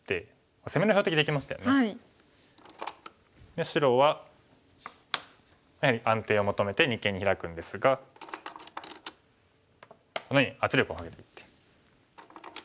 で白はやはり安定を求めて二間にヒラくんですがこのように圧力をかけていって。